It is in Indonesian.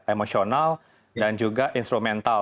emosional dan juga instrumental